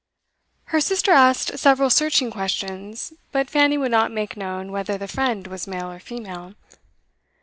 Her sister asked several searching questions, but Fanny would not make known whether the friend was male or female.